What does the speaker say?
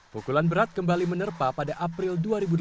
pukulan berat kembali menerpa pada april dua ribu delapan belas